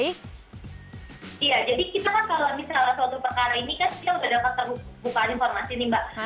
iya jadi kita kan kalau misalnya suatu perkara ini kan kita sudah dapat terbuka informasi nih mbak